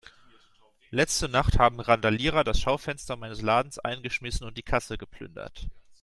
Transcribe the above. Letzte Nacht haben Randalierer das Schaufenster meines Ladens eingeschmissen und die Kasse geplündert.